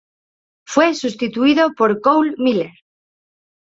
Fue sustituido por Cole Miller.